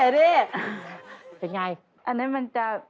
เป็นอย่างไรอันนั้นมันจะ